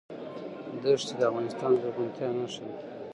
دښتې د افغانستان د زرغونتیا نښه ده.